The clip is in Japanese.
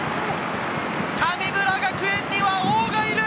神村学園には王がいる！